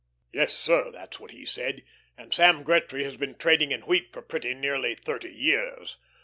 Yes, sir, that's what he said, and Sam Gretry has been trading in wheat for pretty nearly thirty years.